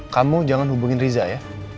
kamu jangan hubungin riza ya